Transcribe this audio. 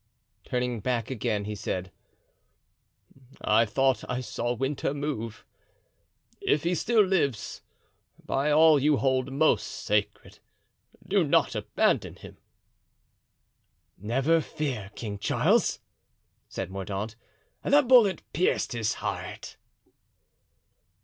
Turning back again, he said, "I thought I saw Winter move; if he still lives, by all you hold most sacred, do not abandon him." "Never fear, King Charles," said Mordaunt, "the bullet pierced his heart."